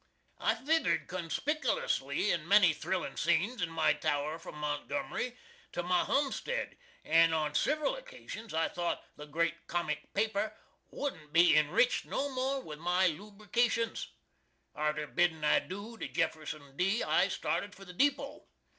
I figgered conspicyusly in many thrillin scenes in my tower from Montgomry to my humsted, and on sevril occasions I thought "the grate komick paper" wouldn't be inriched no more with my lubrications. Arter biddin adoo to Jefferson D. I started for the depot.